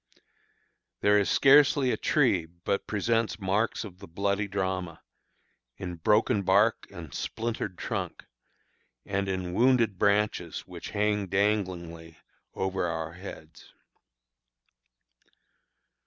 There is scarcely a tree but presents marks of the bloody drama, in broken bark and splintered trunk, and in wounded branches which hang danglingly over our heads.